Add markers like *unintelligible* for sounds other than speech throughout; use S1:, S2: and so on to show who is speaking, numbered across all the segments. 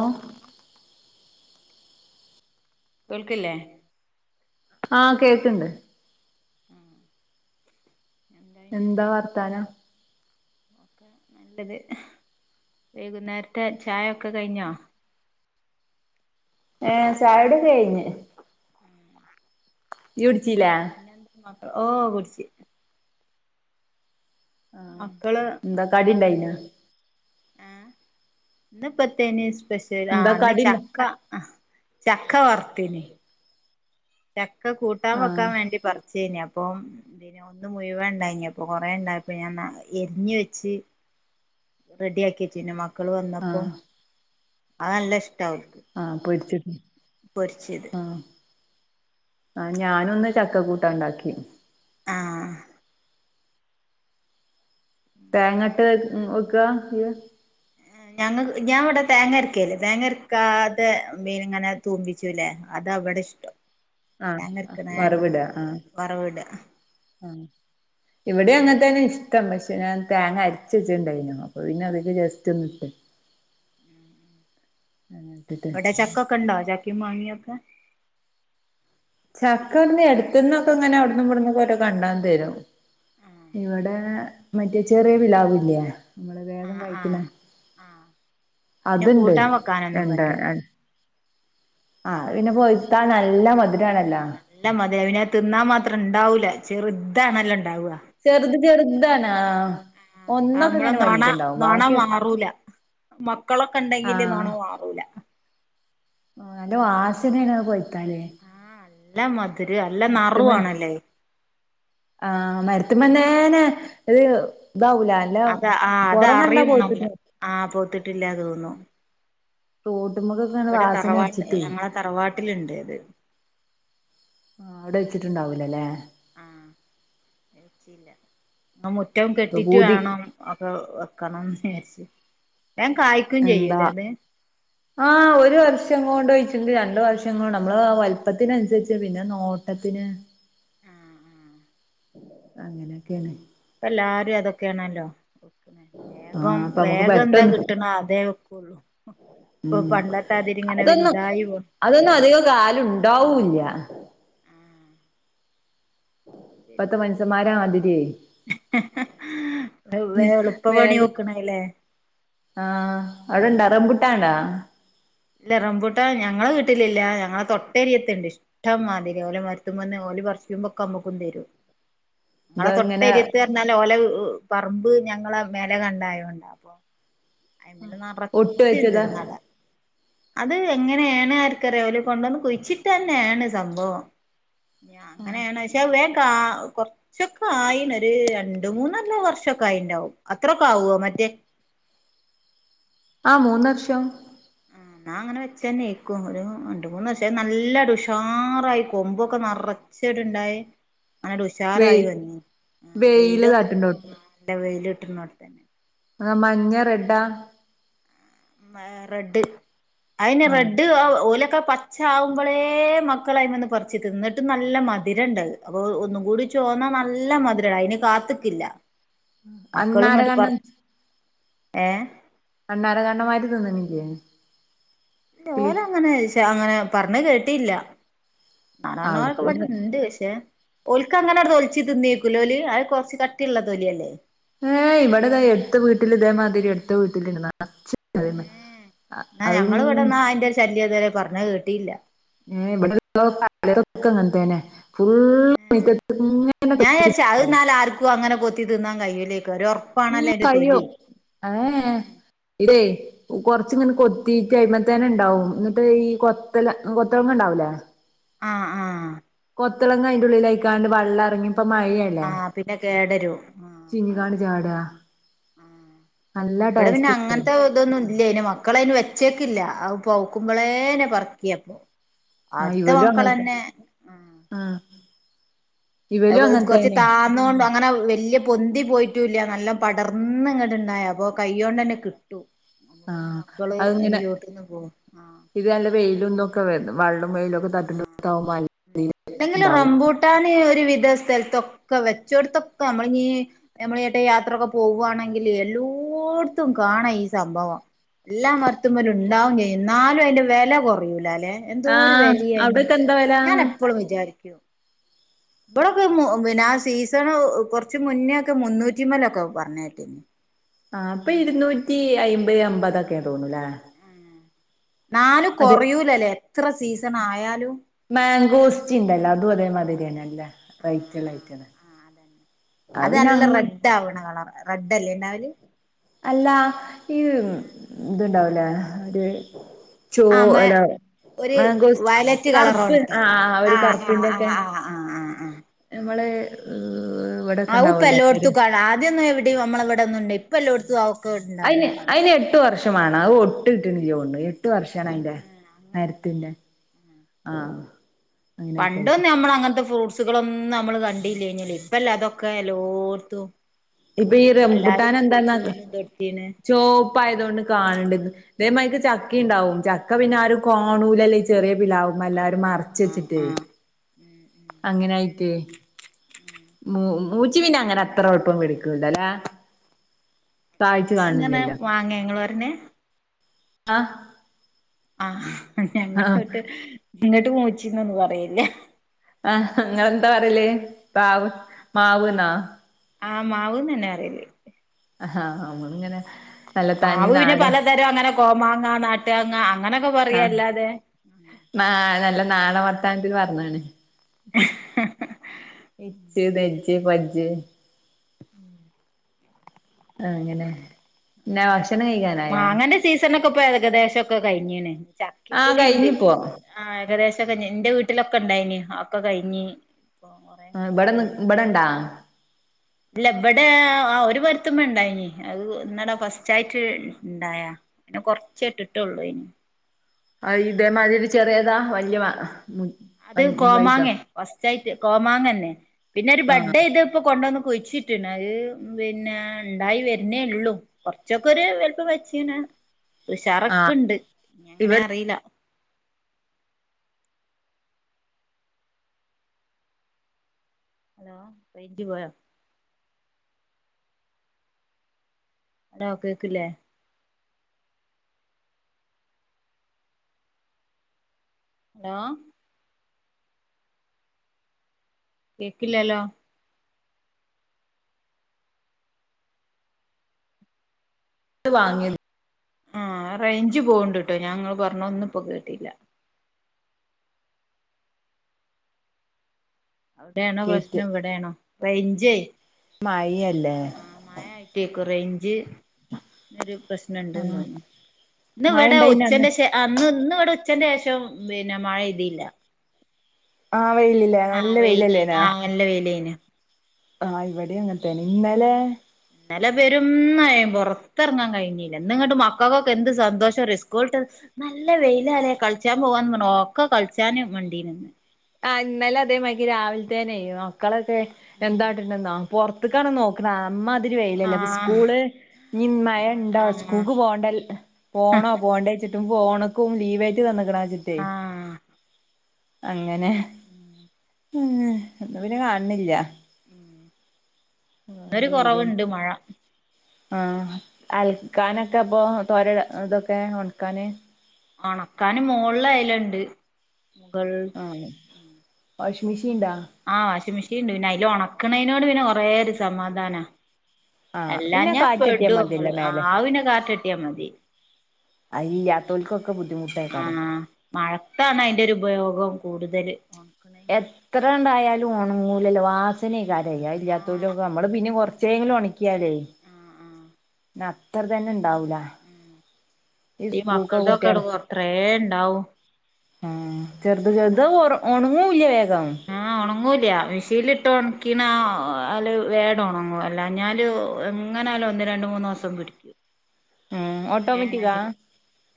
S1: ഓ
S2: ഉം കേൾക്കില്ലേ
S1: ആഹ കേക്കണ്ട് എന്താ വർത്താനം
S2: ക്കെ നല്ലത് വൈകുന്നേരത്തെ ചായൊക്കെ കഴിഞ്ഞോ
S1: ഏ ചായ കുടി കഴിഞ്ഞു
S2: പിന്നെന്താ മാത്രം ഓ കുടിച്ച്
S1: ആഹ
S2: മക്കള്
S1: എന്താ കടിന്റായിന
S2: ആ ഇന്ന് പത്തേനി സ്പെഷ്യൽ
S1: എന്താ
S2: ആന്ന്
S1: കടിണ്ടാ
S2: ചക്ക ചക്ക വർത്തീനി ചക്ക കൂട്ടാൻ
S1: ആഹ്
S2: വെക്കാൻ വേണ്ടി പറിചെ നി അപ്പം അപ്പം പിന്നെ ഒന്ന് മുഴുവൻ ഉണ്ടായിനി അപ്പൊ കൊറേ ഇണ്ടായപ്പം ഞാൻ എരിഞ്ഞ വെച്ച് റെഡി ആക്കിച്ചിന്നെ മക്കള് വന്നപ്പോം
S1: ആഹ്
S2: അത് നല്ല ഇഷ്ടാ ഓൽക്ക്
S1: ആഹ പൊരിച്ചിട്ട
S2: പൊരിച്ചത്
S1: ആ ഞാനും ഇന്ന് ചക്ക കൂട്ടാൻ ഉണ്ടാക്കി
S2: ആഹ
S1: തേങ്ങട്ട് വെക്കാ ഇയ്യ്
S2: ഞങ്ങ ഞാൻ ഇവിടെ തേങ്ങരക്കേല്ലേ തേങ്ങരക്കാതെ മീൻ ഇങ്ങനെ തൂമ്പിചൂല്ലേ അത വടെ. ടെഷ്ടം.
S1: ആ വറവിട ആ
S2: വറവിട
S1: ഇവിടെ അങ്ങത്തന്നെ. ത്ത പക്ഷേ ഞാൻ തേങ്ങ അരച്ച് വെച്ചടണ്ടായിനു അപ്പൊ പിന്നെ അതില് ജസ്റ്റ് ഒന്നിട്ട് ഉ
S2: എവിടെ ചക്കൊക്കെ ഇണ്ടോ ചക്കി മാങ്ങിയൊക്കെ
S1: ചക്കന്ന് എടുത്ത്ന്നൊക്കെ ഇങ്ങനെ അവിട്ന്ന് ഇവിടന്ന് ക്കൊരോ കണ്ടം തരും. ഇവിടെ മറ്റേ ചെറിയ പിലാവില്ലേ നമ്മള് വേഗം
S2: ആഹ്
S1: കഴിക്ക്ണ.
S2: ആഹ് ആഹ് അത് പിന്നെ
S1: അതുണ്ട്
S2: കൂട്ടാൻ വെക്കാനൊന്നും
S1: എന്താ
S2: പറ്റൂല
S1: അ ആ പിന്നെ പോയിത്താ നല്ല മധുരണല്ലോ
S2: തിന്നാ മാത്രം ഉണ്ടാവൂല്ല ചെറുതാണല്ലോ ഉണ്ടാവ.
S1: ചെറുത് ചെറുതണാ ആ
S2: ആ
S1: ഒന്നൊക്കെ
S2: അമ്മളെ
S1: ഇങ്ങനെ
S2: നോണ
S1: വലുതുണ്ടാവും
S2: നോണ
S1: ബാക്കി
S2: മാറൂല. മക്കളൊക്കെ ഉണ്ടെങ്കില് നോണ മാറൂല.
S1: ആ അല്ലോ ആസനെണ
S2: ആ അല്ല മ
S1: മട്ത്ത്ണ് ആ മരുത്ത്മന്നെന്നെ ഇത് ഇതാവുല അല്ല
S2: അത് ആ അത്
S1: പോറം കണ്ടാ
S2: അറിയും നല്ല
S1: പോയിത്ത്ക്ക്ണ്
S2: ആ പോത്തിട്ടില്ല
S1: തോ
S2: അവിടെ തറവാട്ട് ഞങ്ങളെ തറവാട്ടില്ണ്ട് അത്
S1: ആ അവിടെ വെച്ചിട്ടുണ്ടാവൂലല്ലേ
S2: ആ വെച്ചില്ല എന്ന മുറ്റം
S1: ഇപ്പൊ
S2: കെട്ടിട്ട്
S1: പൂതി
S2: വാണം അക്കെ വെക്കണം വിചാരിച്ച് വേം കായ്ക്കും
S1: എന്താ
S2: ചെയ്യൂലേ അത്
S1: ആ ഒരു വർഷം കോണ്ട് ണ്ട് രണ്ട് വർഷ കൊണ്ട് നമ്മള് വൽപ്പത്തിന് അനുസരിച്ച് പിന്നെ നോട്ടത്തിന് അങ്ങനെയൊക്കെണ്
S2: എല്ലാരും അതൊക്കെണല്ലോ
S1: ആഹ്
S2: വേഗം
S1: അപ്പൊ നമുക്ക്
S2: വേഗം എന്താ
S1: പെട്ടെന്ന്
S2: കിട്ട്ണ അതേ വെക്കുള്ളു.
S1: ഉം അതൊന്നും
S2: പോ
S1: അതൊന്നും അധികം കാല ഇണ്ടാവുല്ല. ല്ല. പത്ത് മനസന്മാരാ മിതിരിയേ വെ
S2: ശരിയാ എളുപ്പ പണി
S1: വേഗം
S2: നോക്കണല്ലേ
S1: ആ അവിടെണ്ട റമ്പുട്ടാണ്ട?
S2: ല്ല റംപൂട്ട ഞങ്ങളെ വീട്ടിലില്ല ഞങ്ങളെ തൊട്ടേരിയത്തുണ്ട് ഇഷ്ടംമാതിരി ഓലെ മരുത്ത്മ്മന്ന് ല് പറ്ച്ച്മ്പക്കെ നമക്കും തരും ങ്ങളെ
S1: ഇതാ ഇങ്ങനെ
S2: തൊട്ടരിയത്ത്ഞ്ഞാ ഓലെ ങ് പറമ്പ് ഞങ്ങളെ മേലേ കണ്ടായോണ്ടാ അപ്പൊ അയിമല്
S1: ഒട്ട്
S2: നറച്ച്ണ്ട്
S1: വെച്ചതാ
S2: ഇന്നട അത് എങ്ങനെയാണ് ആർക്കറിയ അവല് കൊണ്ടുവന്ന് കുഴിച്ചിട്ടേന്നെണ് സംഭവം ഞാ അങ്ങനെണ് ശെ വേം ക്കാ കൊറച്ചൊക്കെ ആയിന് ഒരു രണ്ട് മൂന്നൊല്ല വർഷൊക്കെ ആയിണ്ടാവും അത്രൊക്കെ ആവോ മറ്റേ
S1: ആ മൂന്നർഷം
S2: എന്നാ അങ്ങനെ വെച്ചന്നേക്കും ഒരു രണ്ട് മൂന്ന് വർഷമായി നല്ല ഉഷാറായി കൊമ്പൊക്കെ നറ ച്ചേടുണ്ടായി അങ്ങട്
S1: വെയി
S2: ഉഷാറായി വന്ന് ആ
S1: വെയില്
S2: വെയിലൊക്കെ ആ
S1: തട്ടുണ്ടോട്ട്
S2: നല്ല വെയില് ഇട്ട്ണോട്തന്നെ
S1: ആ മഞ്ഞ റെഡാ
S2: മെ റെഡ് അയന്നെ
S1: ആഹ്
S2: റെഡ് ഓലക്കെ പച്ച ആവുമ്പോളേ മക്കളയ്മെന്ന് പറിച്ച് തിന്നിട്ട് നല്ല മധുരണ്ട് അപ്പൊ ഒന്നുകൂടി കൂടി ചോ തോന്നാ നല്ല മധുരായിനി അയിന് കാത്തിക്കില്ല
S1: അണ്ണാര കണ്ണൻ
S2: ഏ
S1: അണ്ണാര കണ്ണൻമാര് തിന്നണില്ലേ ല്
S2: ലോല അങ്ങനെ അങ്ങനെ പറഞ്ഞ് കേട്ടില്ല നാനണ്ണോരൊക്കെ
S1: അവിടക്കന്ന്
S2: ഇവിടുണ്ട് പക്ഷേ ഓൽക്ക് അങ്ങനെവിടെ തൊലിച്ച് തിന്നേക്കൂലോലി അത് കുറച്ച് കട്ടിയുള്ള തൊലിയല്ലേ
S1: ഏ ഇവിടെതാ എടുത്ത വീട്ടിൽ ഇതേമാതിരി എടുത്ത വീട്ടിലിരുന്ന അന്ന്
S2: എന്നാ ഞങ്ങള് ഇവിടെന്നാ അയിന്റെ ഒരു ശല്യം ഇതുവരെ പറഞ്ഞത് കേട്ടിയില്ല
S1: *unintelligible* ഫു
S2: ഞാൻ വിചാരിച്ച് അത് ന്നാല് ആർക്കും അങ്ങനെ കൊത്തി തിന്നാൻ
S1: *unintelligible*
S2: കഴിയൂലേക്കും ഒരു
S1: ഉം
S2: ഒറപ്പാണല്ലോ അതിന്റെ
S1: കഴിയോ
S2: തൊലി
S1: അതേ ഇതേ കൊറച്ച് ഇങ്ങനെ കൊത്തികഴിയുത്തേനുണ്ടാവും എന്നിട്ട് ഈ കൊത്തല കൊത്തളങ്ങ ഉണ്ടാവൂലേ
S2: ആഹ് ആഹ്
S1: കൊത്തിളങ്ങ അതിന്റെ ഉള്ളിലായിക്കാണ്ട് വെള്ളം ഇറങ്ങി ഇപ്പംമഴയല്ലേ
S2: ആഹ് പിന്നെ കേടരും
S1: *unintelligible*
S2: ആ ഇവിടെ പിന്നെ അങ്ങനത്തെ ഇതൊന്നും ഇല്ല ഇന് മക്കള് അയിന് വെച്ചേക്കില്ല അവ പൂക്കുമ്പോളേനെ പറക്കയിപ്പം
S1: ആഹ്
S2: അടുത്ത
S1: ഇവലും അങ്ങനത്തെ
S2: മക്കളെന്നെ
S1: ആഹ്
S2: അ
S1: ഇവലും
S2: കൊറച്ച്
S1: അങ്ങനത്തന്നെ
S2: താന്നോണ്ടാ അങ്ങനെ വലിയ പൊന്തി പോയിട്ടൂല്ല നല്ല പടർന്ന് ഇങ്ങോട്ടുണ്ടായ അപ്പൊ കൈയോണ്ടന്നെ കിട്ടും അമ്മ പിന്നെ
S1: ആഹ്
S2: മക്കള് എന്റെ
S1: അതിങ്ങനെ
S2: ചുവട്ടിൽന്ന് പോ ആഹ്
S1: ഇത് നല്ല വെയിലും ഇതൊക്കെ വെള്ളം വെയിലൊക്കെ
S2: ആഹ്
S1: തട്ടുമ്പോ
S2: ആഹ്
S1: *unintelligible*
S2: അല്ലെങ്കിലും
S1: ഉണ്ടാവും
S2: റംബൂട്ടാന് ഒരുവിധ സ്ഥലത്തൊക്കെ വെച്ചെടുത്തൊക്കെ നമ്മളിനി നമ്മളെങ്ങോട്ട് യാത്രൊക്കെ പോകുവാണെങ്കിൽ എല്ലാ കോടുത്തും കാണാം ഈ സംഭവം എല്ലാം മരത്തുമ്മേലും ഉണ്ടാവും ചെയ്യും എന്നാലും അയിന്റെ വില കുറയൂലാല്ലെ എന്തോ ഒരു
S1: ആഹ്
S2: വെലയായിന്
S1: അവിടൊക്കെ എന്താ വെല
S2: ഞാൻ എപ്പോളും വിചാരിക്കൂ ഇവിടൊക്കെ പിന്നെ ആ സീസൺ കൊറച്ച് മുന്നേ ഒക്കെ മുന്നൂറ്റിമ്മേലൊക്കെ പറഞ്ഞ കേട്ടീന്
S1: ആ ഇപ്പൊ ഇരുന്നൂറ്റി അയിമ്പത് അമ്പതൊക്കെ തോന്നൂല്ലേ
S2: ന്നാലും
S1: അതെ
S2: കൊറയൂലല്ലേ എത്ര സീസൺ ആയാലും
S1: മാംഗോസ്റ്റിനുണ്ടല്ലോ അതും അതേമാതിരിയന്ന അല്ലെ റേറ്റ്
S2: ആഹ്
S1: ഉള്ള
S2: ആഹ്
S1: ഐറ്റാണ്
S2: ആഹ് അതന്നെ. അത്
S1: പിന്നെ
S2: നല്ല
S1: അങ്ങ്
S2: റെഡ് ആവണ കളർ റെഡല്ലേ ഇണ്ടാവല്
S1: അല്ലാ ഈ ഇതുണ്ടാവൂലേ ഒരു ചോ
S2: ആ മേ
S1: അല്ല
S2: ഒരു
S1: മംഗോസ്
S2: വയലറ്റ്
S1: കറുപ്പ്
S2: കളറോണ്ട്ത്തെ
S1: ആ
S2: ആ
S1: ഒരു
S2: ആ
S1: കറുപ്പിന്റെ
S2: ആ
S1: ഒക്കെ
S2: ആ ആ ആ ആ
S1: നമ്മളെ ഇവിടൊക്കെ
S2: ആവു ഇപ്പ
S1: ഉണ്ടാവൂല്ലോ ഒരു
S2: എല്ലോടത്തും കാണാം ആദ്യൊന്നും എവിടെയും നമ്മള ഇവിടെന്നും ഇല്ല ഇപ്പ എല്ലോടത്തും അവൊക്കെ
S1: അയിന്
S2: ഉണ്ടാവുന്നത് കാണാം
S1: അയിന് എട്ട് വർഷമാണ് അത് ഒട്ട് കിട്ടിണിലൊന്ന് എട്ടു വർഷാണ് അയിന്റെ
S2: ആ അങ്ങനെയല്ലേ
S1: മരത്തിന്റെ ആ
S2: പണ്ട്ഒന്നും നമ്മൾ അങ്ങത്തെ ഫ്രൂട്ട് സുകളൊന്നും നമ്മള് കണ്ടീല്ലാനല്ലോ ഇപ്പല്ലേ അതൊക്കെ എല്ലോർത്തും
S1: ഇപ്പൊ ഈ റംബുട്ടാൻ എന്താന്ന
S2: തൊട്ത്തീണ് ആഹ്
S1: ചോപ്പായതൊണ്ട് കാണണ്ടന്ന് അതേമായിക്ക് ചക്ക ഇണ്ടാവും ചക്ക പിന്നെ ആ ഒരു കാണൂലല്ലേ ചെറിയ പ്ലാവുമേ എല്ലാരു
S2: ആഹ്
S1: മറച്ച്
S2: ആഹ്
S1: വെച്ചിട്ടേ
S2: ആഹ് ഉം ഉം
S1: അങ്ങനെയായിട്ട് മൂ മൂച്ചി പിന്നെ അങ്ങനെ അത്ര കൊയപ്പം പിടിക്കൂലല്ലേ താഴ്ച്ചു
S2: മൂച്ചിങ്ങനെ
S1: കാണില്ലല്ലോ
S2: മാങ്ങ ഇങ്ങള് പറേണ്
S1: അഹ്
S2: ആഹ് ഞങ്ങ ഇങ്ങോട്ട് മൂച്ചിന്നൊന്നും പറയില്ല
S1: ആഹ് നിങ്ങൾ എന്താ പറയല് പാവ് മാവ്ന്നാ
S2: ആഹ് മാവന്ന് തന്നെ പറയല്
S1: ആഹാ നമ്മളിങ്ങനെ നല്ല തനി
S2: മാവ് പിന്നെ
S1: നാടൻ
S2: പലതരം അങ്ങനെ കോമാങ്ങ നാട്ടുമാങ്ങ അങ്ങനൊക്കെ പറയാ
S1: അഹ്
S2: അല്ലാതെ
S1: ന്നാ നല്ല നാണവ സ്ഥാനത്തി പറന്നാണ്
S2: ഉം
S1: ജ് തഞ്ച് പജ്
S2: ഉം
S1: ആ അങ്ങനെ
S2: ആ
S1: പിന്നെ ഭക്ഷണം കഴിക്കാനായാ
S2: മാങ്ങന്റെ സീസണോക്കെ ഇപ്പോ ഏകദേശൊക്കെ കഴിഞ്ഞീന് ചക്കി
S1: ആഹ്
S2: കൂടി ഉണ്ട്
S1: കഴിഞ്ഞിപ്പോ
S2: ആ ഏകദേശക്കെ എന്റെ വീട്ടിലൊക്കെ ഇണ്ടായിന് അഒക്കെ കഴിഞ്ഞിന് ഇപ്പൊ കൊറേയും കൂടി
S1: ഇവിടെ നി
S2: കൊണ്ടോന്നിന്
S1: ഇവിടെണ്ടാ
S2: ഇല്ല ഇവിടെ ആ ഒരു മരത്തുമേ ഇണ്ടായിനി അത് ഇന്നടാ ഫസ്റ്റ് ആയിട്ട് ഇണ്ടായാ പിന്നെ കൊറചെ ഇട്ടിട്ടുള്ളു ഇനി
S1: ആ ഇതേമാതിരി ചെറിയതാ വല്യ
S2: അത്
S1: വലുതാ
S2: കോമാങ്ങ ഫസ്റ്റായിട്ട് കോമാങ്ങന്നെ പിന്നെ ഒരു
S1: ആഹ്
S2: ബഡയ്ത് ഇതിപ്പോ കൊണ്ട കുഴിച്ചിട്ടിന് അത് പിന്നെ ഉണ്ടായി വരുന്നേ ഉള്ളൂ കൊറച്ചൊക്കെ ഒരു വലുപ്പ വച്ചീന
S1: ആഹ്
S2: ഉഷറക്കൊണ്ട് ഇനിങ്ങനെ
S1: ഇവിടെ
S2: അറില ഹലോ റേഞ്ച് പോയോ ഹലോ കേൾകിലെ ഹലോ കേക്കില്ലല്ലോ
S1: അത് വാങ്ങി
S2: ആ റേഞ്ച് പോണ്ട്ട്ടോ ഞ ഇങ്ങൾ പറഞ്ഞെ ഒന്നും ഇപ്പോ കേട്ടില്ല അവിടെയാണോ
S1: കേറ്റ്
S2: പ്രശ്നം ഇവിടെയാണോ റേഞ്ചേ
S1: മഴയല്ലേ
S2: ആ മയായിട്ടേ കുറെ ഒരു ഒരു പ്രശ്നുണ്ട്ന്ന്
S1: ആഹ്
S2: തോന്നു
S1: മഴ
S2: ഇതവിടെ
S1: ഇണ്ടായിനോ അന്ന്
S2: ഉച്ഛന്റെ ശേ അന്ന് ഇന്ന് ഇവിടെ ഉച്ചന്റെ ശേഷം പിന്നെ മഴ ഇതില്ല.
S1: ആഹ് വെയിൽ ഇല്ലേ നല്ല വെയില്
S2: വെയിലേനി
S1: അല്ലേനെ.
S2: ആഹ് നല്ല വെയിലേനി
S1: ആഹ് ഇവിടെ അങ്ങനത്തേന്ന ഇന്നലെ
S2: ഇന്നലെ പെരുംമഴ പുറത്തിറങ്ങാൻ കഴിഞ്ഞില്, എന്നിങ്ങോട്ട് മക്കൾക്കൊക്കെ എന്ത് സന്തോഷമാണെന്ന് സ്കൂള് വിടു. നല്ല വെയില് അല്ലേ കളിച്ചാൻ പോവാന്ന് പറഞ്ഞു ഒക്കെ കളിച്ചാനും വണ്ടിന്ന്.
S1: ആ ഇന്നലെ അതേമാതിരിക്ക്‌ രാവിൽത്തേനെ മക്കളൊക്കെ
S2: ഉം
S1: എന്താട്ട്ണ്ന്നോ പുറത്ക്കാണ് നോക്കണെ അ വെയിലല്ലോ
S2: ആഹ്
S1: സ്കൂള് ഇ മഴ ഉണ്ടോ സ്കൂൾക്ക് പോകണ്ടല്ലോ പോണോ പോണണ്ടെ വെച്ചിട്ടും ഫോണ്ക്കും ലീവായിട്ട് തന്ന്ക്ക്‌ണോച്ചിട്ടേ
S2: ആഹ്
S1: അങ്ങനെ
S2: ഉം
S1: ഉും ഇപ്പോവരെ കാണണില്ല
S2: ന്നൊരു കൊറവ്ണ്ട് മഴ
S1: ആ അൽക്കാനൊക്കെ അപ്പൊ തോരട ഇതൊക്കെ ഒണക്കാന്
S2: ഒണക്കാന് മോള്ലയല്ണ്ട് വെള്ള
S1: ആഹ് വാഷിംഗ് മെഷീൻ ഇണ്ടാ
S2: ആ വാഷിമിഷീൻ ഷീണ്ട് പിന്നെ അയ്ലൊണക്ക്‌ണെയ്നോണ്ട് പിന്നെ കൊറേ ഒരു സമാധാന
S1: ആഹ് പിന്നെ
S2: അല്ലാഞാ
S1: കാറ്റട്ടിയാ
S2: പെടും മ്മള്
S1: മതിയല്ലോ
S2: ആ
S1: മേലെ
S2: പിന്നെ കാറ്റട്ട്യാ മതി
S1: അയില്ലാത്തോൽക്കൊക്കെ ബുദ്ധിമുട്ടേക്കാരം
S2: മഴക്കാണയിന്റോരു പയോഗം കൂടുതല് ഒണക്കണേന്റെ
S1: എത്ര ഉണ്ടായാലും ഓണങ്ങൂലല്ല വാസനക്കാരയ ഇല്ലാത്തര
S2: ആഹ്
S1: നമ്മള് പിന്നെ കൊറ ച്ചെങ്കിലും ഒണക്ക്യാലെ
S2: ആഹ് ആഹ്
S1: ന്ന അത്ര തെന്നെ ണ്ടാവൂല
S2: ഉം
S1: ഈ സ്കൂൾക്കൊ
S2: മക്കൾതൊക്കെ
S1: കുട്ട്യാളെ
S2: കൊറേ ഇണ്ടാവും
S1: ആ ചെർത് ചെർ ത് ഒർ ഒണങ്ങുല്ല വേഗം
S2: ല്ല മിഷീൻല്ട്ട് ഒണക്കിണാല് വേണ്ടൊണങ്ങും അല്ലഞാല് എങ്ങനായാലും ഒ രണ്ട് മൂന്നൂസം പിടി
S1: ഉം ഓട്ടോമാറ്റിക്കാ
S2: മഴേണെങ്കില്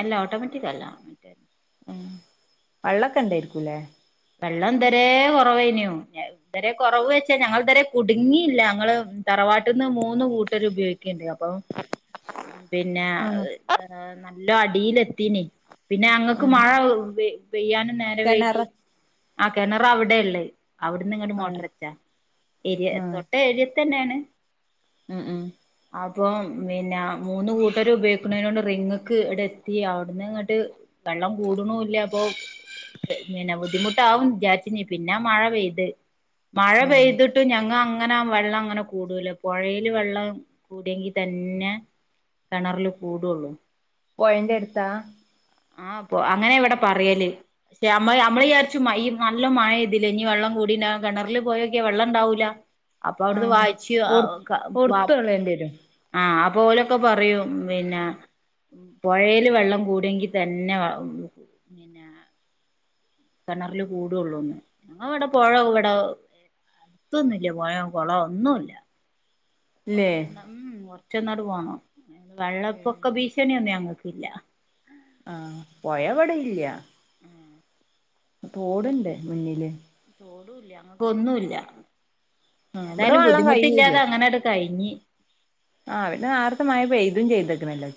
S2: അല്ലാ ഓട്ടോമാറ്റിക്കല്ല മറ്റേ
S1: വെള്ളൊക്കെണ്ടേര്ക്കും ല്ലെ
S2: വെള്ളം എന്തരെ കുറവനു ഇന്തരെ കുറവ് വെച്ചാ ഞങ്ങൾന്തരെ കുടുങ്ങിയില്ല ഞങ്ങള് തറവാട്ടന്ന് ന്ന് കൂട്ടര് ഉപയോഗിക്ക്‌ണ്ടപ്പോ പിന്നെ
S1: ആഹ്
S2: ഏ ല്ലോ അടിലെത്തിനി പിന്നെ ഞങ്ങക്ക്
S1: ആഹ്
S2: മഴ പെയ്യാനും നേരം വൈകി
S1: കെണറ്
S2: ആ കെണറവടെ ള്ളേ അവ്ട്ന്ന്ങ്ങട്ട്
S1: ആഹ്
S2: മോട്ടർച്ചാ എരിയ
S1: ആഹ്
S2: തൊട്ട ഏരി തന്നെയാണ്
S1: ഉം ഉം
S2: അപ്പൊ പിന്നെ മൂന്ന് കൂട്ടർ ഉപയോഗിക്കുന്നൊണ്ട് റിങ്ങക്ക് ഇവിടെ എത്തി അവിടന്ന് ഇങ്ങോട്ട് വെള്ളം കൂട്ണുല്ലപ്പൊ നിനവ് ബുദ്ധിമുട്ടാവുന്ന് വിചാരിച്ചിരുന്നതാ പിന്നാ മഴ പെയ്തെ മഴ
S1: ആഹ്
S2: പെയ്തിട്ടും ഞങ്ങ- അങ്ങനെ ആ വെള്ളം അങ്ങനെ കൂടുതല് പോഴയില് വെള്ളം കൂടിയെങ്കി തന്നെ- കിണറില് കൂടുള്ളൂ
S1: പോഴേന്റെ അടുത്താ-
S2: ആഹ പോ അങ്ങനെ ഇവിടെ പറയല് പക്ഷെമ്മ നമ്മള് കുറച്ച് മ നല്ല മഴ തില്ലെ ഇനി വെള്ളം കൂടിട്ട് കിണറില് പോയൊക്കെ വെള്ളം ഉണ്ടാവൂലാ അപ്പൊ അവിടുന്ന്
S1: ആഹ്
S2: വാങ്ങിച്ചു
S1: ഒർ ഒർത്തള്ളേണ്ടി വരും
S2: ആ- ഓലൊക്കെ പറയും പിന്നെ- പുഴയില് വെള്ളം കൂടങ്കി തന്നെ
S1: *inaudible*
S2: കിണറില് കൂടുള്ളൂന്ന് ഞങ്ങടെ ഇവിടെ പോഴ ഇവിടെ അടുത്തൊന്നുല്ല പൊഴേ കൊളോം ഒന്നുല്ല
S1: ഇല്ലേ
S2: കൊറച്ച ഉ കൊറച്ചെന്നോട് പോണം വെള്ളപ്പൊക്കെ ഭീഷണിയന്ന ഞങ്ങ ില്ല
S1: ആ പോയവിടെല്ല്യ തോട്ണ്ട് മുന്നില്
S2: ല്ല അങ്ങക്ക് ഒന്നുല്ല
S1: ആ ഇവിടെ
S2: ഏതായാലും
S1: വെള്ളം
S2: ബുദ്ധിമുട്ടില്ലാതെ
S1: കഴിയൂല്ലട്ടോ
S2: അങ്ങനട് കഴിഞ്ഞ്
S1: *unintelligible*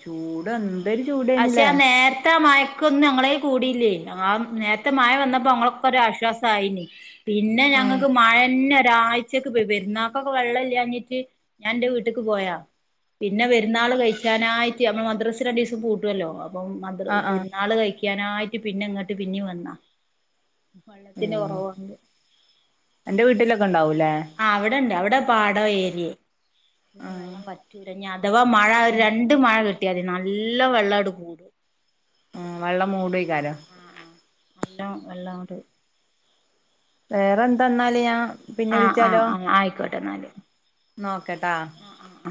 S1: എന്തൊരു
S2: ആശെ
S1: ചൂടേനില്ലേ
S2: നേരത്ത മയക്കൊന്നായി കൂടില്ലേ ആ നേത്തെ മായ വന്നപ്പോ അങ്ങൊക്കെ ഒരു ആശ്വാസയിന് പിന്നെ
S1: ആ
S2: ഞങ്ങക്ക് മഴന്നെ ഒരാഴ്ചക്ക് പോയി പെരുന്നാൾക്കൊക്കെ വെള്ളല്ല്യാഞ്ഞിട്ട് ഞാൻ ന്റെ വീട്ടിക്ക് പോയാ പിന്നെ വെരുന്നാള് കഴിച്ചാനായി നമ്മൾ മദ്രസിൽ രണ്ടീസം പൂട്ട്വല്ലോ അപ്പം മ
S1: ആ ആ
S2: പെരുന്നാള് കഴിക്കാനായിട്ട് പിന്നങ്ങാട്ട് പിന്നെ വന്നാ വെള്ളത്തിന്റെ
S1: ഉം
S2: കുറവുണ്ട്
S1: എന്റെ വീട്ടിലൊക്കെ ഉണ്ടാവൂല്ലേ
S2: ആഹ് അവിടെണ്ട് അവിടെ പാട ഏരിയെ
S1: ആ
S2: അന് വെള്ളം വറ്റുരഞ്ഞ അഥവാ മഴ ഒരു രണ്ട് മഴ കിട്ടിയാതി നല്ല വെള്ളട് കൂടും
S1: ആ വെള്ളം മൂടിക്കാലോ
S2: ആ *inaudible*
S1: വേറെന്തെന്നാല് പിന്നെ
S2: ആ ആ
S1: വിളിച്ചാലോ
S2: ആ ആയിക്കോട്ടെ എന്നാല്
S1: നോക്കട്ടാ
S2: ആ ആ ആ